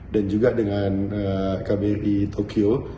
dan juga dengan kbri tokyo